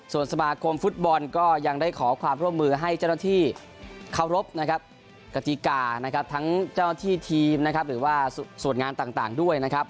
ส่วนสมาคมฟุตบอลก็ยังได้ขอความร่วมมือให้เจ้าหน้าที่เคารพนะครับกติกานะครับทั้งเจ้าหน้าที่ทีมนะครับหรือว่าส่วนงานต่างด้วยนะครับ